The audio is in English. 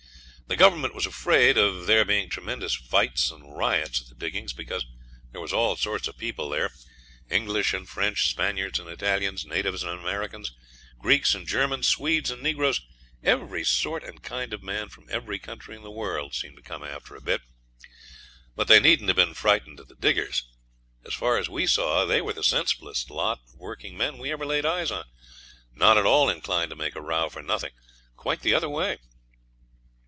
The Government was afraid of there being tremendous fights and riots at the diggings, because there was all sorts of people there, English and French, Spaniards and Italians, natives and Americans, Greeks and Germans, Swedes and negroes, every sort and kind of man from every country in the world seemed to come after a bit. But they needn't have been frightened at the diggers. As far as we saw they were the sensiblest lot of working men we ever laid eyes on; not at all inclined to make a row for nothing quite the other way.